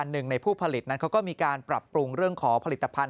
หนึ่งในผู้ผลิตนั้นเขาก็มีการปรับปรุงเรื่องของผลิตภัณฑ